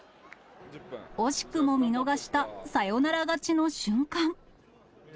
惜しくも見逃したサヨナラ勝ちの瞬間。